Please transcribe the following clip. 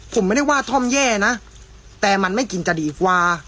ผมไม่ได้ว่าท่อมแย่นะแต่มันไม่กินจะดีกว่า